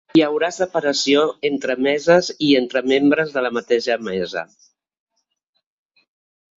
Hi haurà separació entre meses i entre membres de la mateixa mesa.